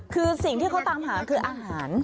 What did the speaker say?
คือสิ่งที่เขาตามหาคืออาหาร